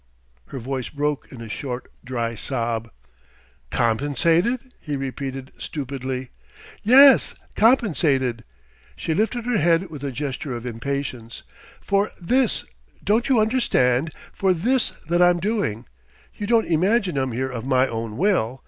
Her voice broke in a short, dry sob. "Compensated?" he repeated stupidly. "Yes, compensated!" She lifted her head with a gesture of impatience: "For this don't you understand? for this that I'm doing! You don't imagine I'm here of my own will?